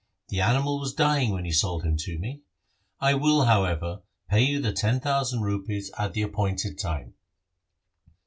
The animal was dying when you sold him to me. I will, however, pay you the ten thousand rupees at the appointed time.'